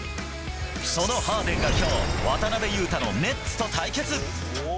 そのハーデンがきょう、渡邊雄太のネッツと対決。